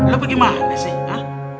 lo pergi mana sih